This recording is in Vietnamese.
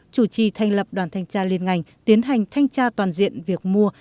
chủ trì thành lập đoàn thanh tra liên ngành tiến hành thanh tra toàn diện việc mua